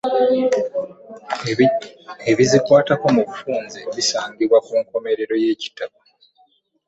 Ebizikwatako mu bufunze bisangibwa ku nkomerero y'ekitabo.